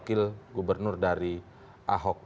wakil gubernur dari ahok